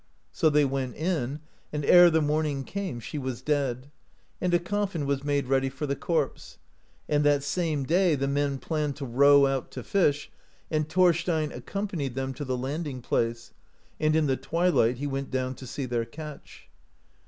So they went in, and ere the morning came she was dead, and a coffin was made ready for the corpse; and that same day the men planned to row out to fish, and Thorstein accompanied them to the landing place, and in the twi light he went down to see their catch.